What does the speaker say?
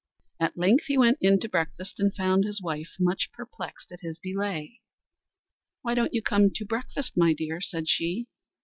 At length he went in to breakfast, and found his wife much perplexed at his delay. "Why don't you come to breakfast, my dear?" said she.